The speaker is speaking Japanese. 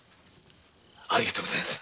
ありがとうございます。